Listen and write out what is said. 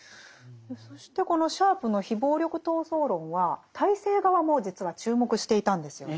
そしてこのシャープの非暴力闘争論は体制側も実は注目していたんですよね。